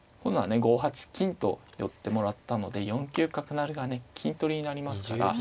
５八金と寄ってもらったので４九角成がね金取りになりますから。